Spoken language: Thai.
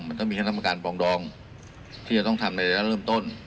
มันต้องมีการปรองดองที่จะต้องทำในระดับเริ่มต้น